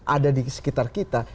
ada di sekitar kita